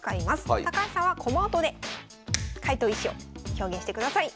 高橋さんは駒音で解答意志を表現してください。